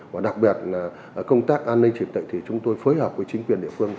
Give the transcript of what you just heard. và đặc biệt là công tác an ninh triển tệnh thì chúng tôi phối hợp với chính quyền địa phương